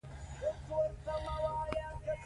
د نجونو تعليم د ګډو کارونو ملاتړ ساتي.